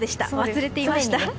忘れていました。